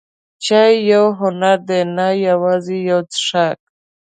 چای یو هنر دی، نه یوازې یو څښاک.